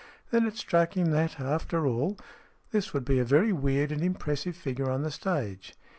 Then it struck him that, after all, this would be a very weird and impressive figure on the stage.